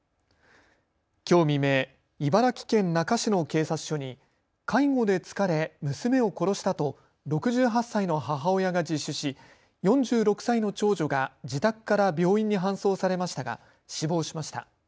きょう未明、茨城県那珂市の警察署に介護で疲れ娘を殺したと６８歳の母親が自首し４６歳の長女が自宅から病院に搬送されましたが死亡しました。